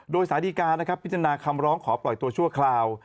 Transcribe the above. โดยสารดีการนะครับพิจารณาคำร้องขอปล่อยตัวชั่วคราว